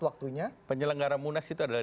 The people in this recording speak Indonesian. waktunya penyelenggara munas itu adalah